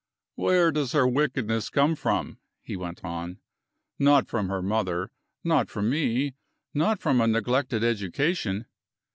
"Where does her wickedness come from?" he went on. "Not from her mother; not from me; not from a neglected education."